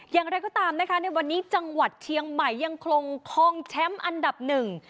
อย่างไรก็ตามนะคะในวันนี้จังหวัดเชียงใหม่ยังคงคลองแชมป์อันดับหนึ่ง